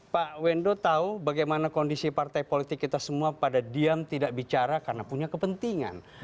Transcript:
pak wendo tahu bagaimana kondisi partai politik kita semua pada diam tidak bicara karena punya kepentingan